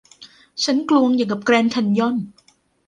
ฉันกลวงอย่างกับแกรนด์แคนยอน